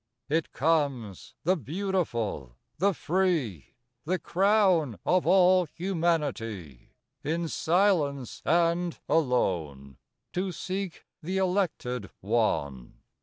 It comes, — the beautiful, the free, Tl: >wn of all humanity, — In silence and alone 2Q To seek the elected one.